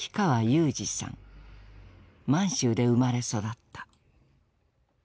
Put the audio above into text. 満州で生まれ育った。